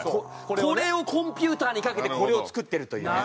これをコンピューターにかけてこれを作ってるというね。